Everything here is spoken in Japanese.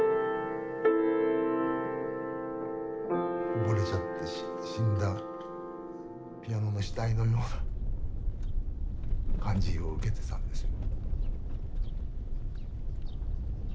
埋もれちゃって死んだピアノの死体のような感じを受けてたんですよ。